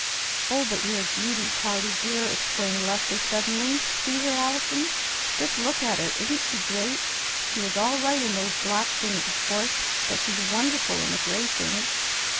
"Oh, but you're a beauty, Cloudy, dear!" exclaimed Leslie suddenly. "See her, Allison! Just look at her. Isn't she great? She was all right in those black things, of course, but she's wonderful in the gray things!"